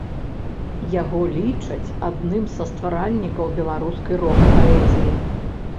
Яго лічаць адным са стваральнікаў беларускай рок-паэзіі.